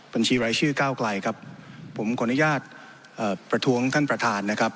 บัญชีรายชื่อก้าวไกลครับผมขออนุญาตประท้วงท่านประธานนะครับ